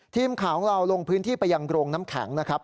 ทีมข่าวของเราลงพื้นที่ไปยังโรงน้ำแข็งนะครับ